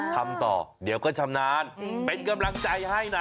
ทำต่อเดี๋ยวก็ชำนาญเป็นกำลังใจให้นะ